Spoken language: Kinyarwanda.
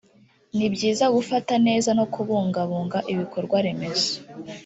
ni byiza gufata neza no kubungabunga ibikorwa remezo